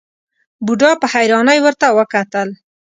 بوډا په حيرانۍ ورته وکتل.